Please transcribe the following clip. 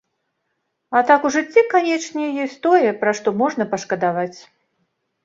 А так у жыцці, канечне, ёсць тое, пра што можна пашкадаваць.